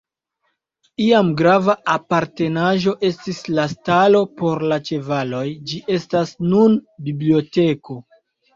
Iam grava apartenaĵo estis la stalo por la ĉevaloj, ĝi estas nun biblioteko.